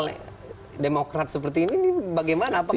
nah demokrat seperti ini bagaimana